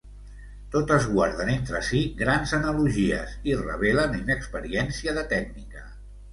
Totes guarden entre si grans analogies i revelen inexperiència de tècnica.